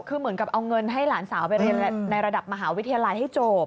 คือเหมือนกับเอาเงินให้หลานสาวไปเรียนในระดับมหาวิทยาลัยให้จบ